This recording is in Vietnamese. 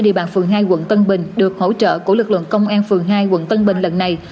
địa bàn phường hai quận tân bình được hỗ trợ của lực lượng công an phường hai quận tân bình lần này